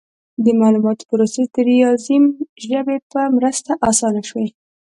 د معلوماتو پروسس د ریاضي ژبې په مرسته اسانه شوی.